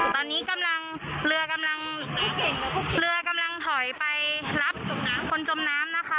ตอนนี้กำลังเรือกำลังเรือกำลังถอยไปรับคนจมน้ำนะคะ